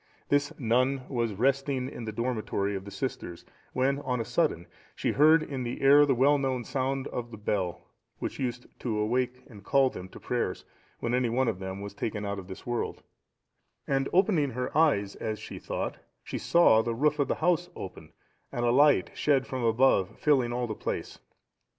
This nun was resting in the dormitory of the sisters, when on a sudden she heard in the air the well known sound of the bell, which used to awake and call them to prayers, when any one of them was taken out of this world, and opening her eyes, as she thought, she saw the roof of the house open, and a light shed from above filling all the place.